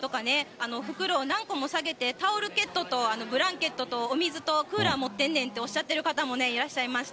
なので、お母さんとかね、袋を何個も提げて、タオルケットとブランケットとお水とクーラー持ってんねんっておっしゃってる方もいらっしゃいました。